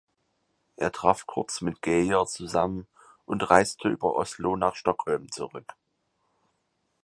Er traf kurz mit Geijer zusammen und reiste über Oslo nach Stockholm zurück.